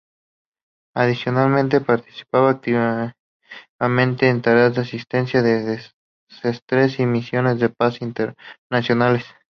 Adicionalmente participa activamente en tareas de asistencia de desastres y misiones de paz internacionales.